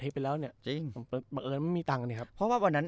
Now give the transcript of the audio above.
เป็นแล้วเนี่ยจริงมะเอ๋อเรายังไม่มีตังค์อันนี้ครับเพราะว่าวันนั้น